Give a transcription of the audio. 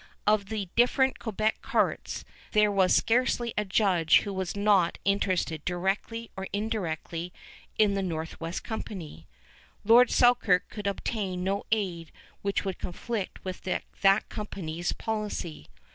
Of the different Quebec courts, there was scarcely a judge who was not interested directly or indirectly in the Northwest Company. Lord Selkirk could obtain no aid which would conflict with that company's policy.